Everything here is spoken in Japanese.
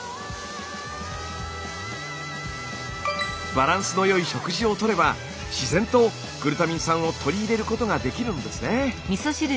バランスの良い食事をとれば自然とグルタミン酸を取り入れることができるんですね。